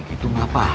itu mah apa